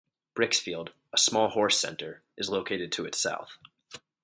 Brickfields, a small horse centre, is located to its south.